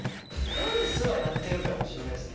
ダンスは、やっているかもしれないですね。